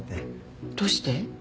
どうして？